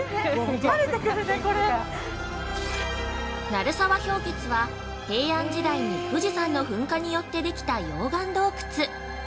鳴沢氷穴は平安時代に富士山の噴火によってできた溶岩洞窟。